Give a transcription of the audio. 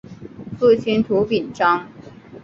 父亲涂秉彰。